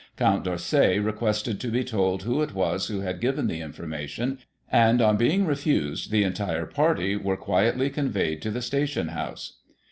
Count D'Orsay requested to be told who it was who had given the information, and, on being refused, the entire party were quietly conveyed to the station house.